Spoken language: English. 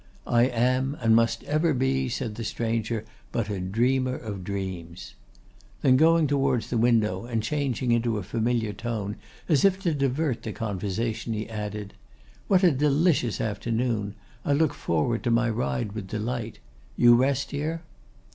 'I am and must ever be,' said the stranger, 'but a dreamer of dreams.' Then going towards the window, and changing into a familiar tone as if to divert the conversation, he added, 'What a delicious afternoon! I look forward to my ride with delight. You rest here?